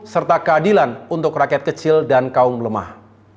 serta keadilan untuk rakyat kecil dan kaum lemah